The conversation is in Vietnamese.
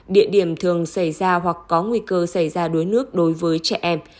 địa điểm thường xảy ra hoặc có nguy cơ xảy ra đuối nước đối với trẻ em